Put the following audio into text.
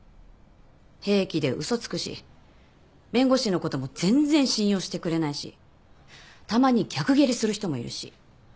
平気で嘘つくし弁護士のことも全然信用してくれないしたまに逆ギレする人もいるし。